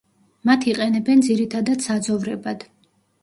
მათ იყენებენ ძირითადად საძოვრებად.